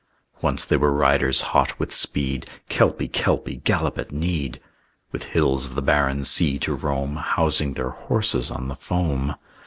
Once they were riders hot with speed, "Kelpie, Kelpie, gallop at need!" With hills of the barren sea to roam, Housing their horses on the foam.